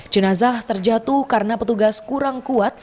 jenazah terjatuh karena petugas kurang kuat